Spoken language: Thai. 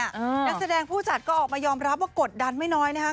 นักแสดงผู้จัดก็ออกมายอมรับว่ากดดันไม่น้อยนะครับ